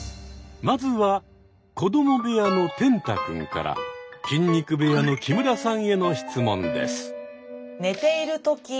まずは子ども部屋の天嵩君から筋肉部屋の木村さんへの質問です。